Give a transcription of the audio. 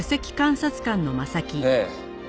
ええ。